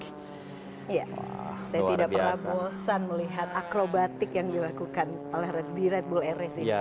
saya tidak pernah bosan melihat akrobatik yang dilakukan di red bull air race